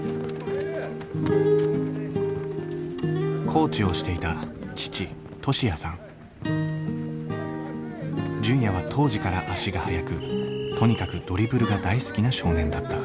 コーチをしていた純也は当時から足が速くとにかくドリブルが大好きな少年だった。